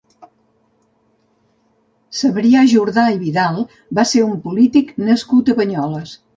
Cebrià Jordà i Vidal va ser un polític nascut a Banyoles.